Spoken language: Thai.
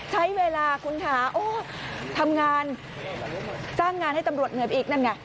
ใช้เวลาคุณค่ะโอ้ทำงานจ้างงานให้ตำรวจเหนื่อยไปอีกนั่นไง